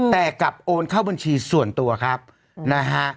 แต่กลับโอนเข้าบัญชีส่วนตัวครับนะฮะ